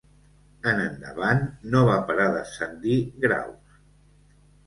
En endavant no va parar d'ascendir graus.